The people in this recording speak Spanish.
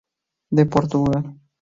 De Portugal.